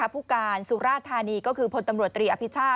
ผู้การสุราธานีก็คือพลตำรวจตรีอภิชา